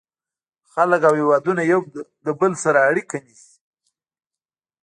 • خلک او هېوادونه یو له بل سره اړیکه نیسي.